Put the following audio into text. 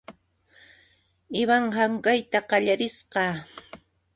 Ivan hank'ayta qallarisqa .